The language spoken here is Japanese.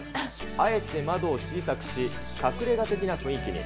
あえて窓を小さくし、隠れが的な雰囲気に。